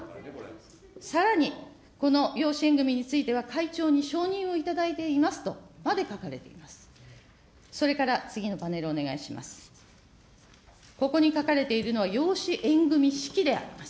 さらにこの養子縁組みについては、会長に承認を頂いていますとまで書かれています。